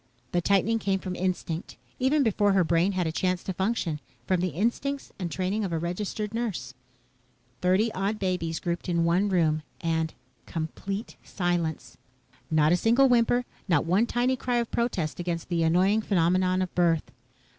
The tightening came from instinct, even before her brain had a chance to function, from the instincts and training of a registered nurse. Thirty odd babies grouped in one room and complete silence. Not a single whimper. Not one tiny cry of protest against the annoying phenomenon of birth.